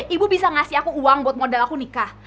ibu bisa ngasih aku uang buat modal aku nikah